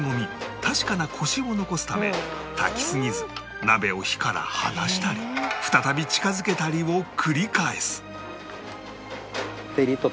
確かなコシを残すため炊きすぎず鍋を火から離したり再び近づけたりを繰り返す